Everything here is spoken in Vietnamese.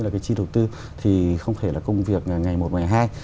là cái chi đầu tư thì không thể là công việc ngày một ngày hai